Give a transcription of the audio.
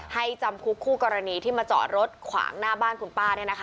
จำคุกคู่กรณีที่มาจอดรถขวางหน้าบ้านคุณป้า